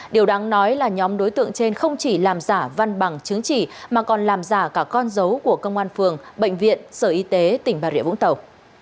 điều đáng nói là nhóm đối tượng trên không chỉ làm giả văn bằng chứng chỉ mà còn làm giả cả con dấu của công an phường bệnh viện sở y tế tỉnh bà rịa vũng tàu